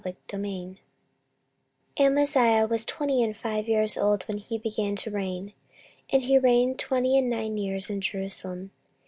14:025:001 Amaziah was twenty and five years old when he began to reign, and he reigned twenty and nine years in Jerusalem.